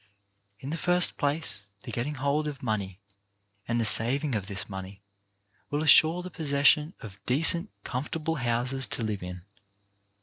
In the first place the getting hold of money and the saving of this money will assure the possession of decent comfortable houses to live in.